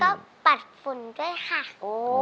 แล้วน้องใบบัวร้องได้หรือว่าร้องผิดครับ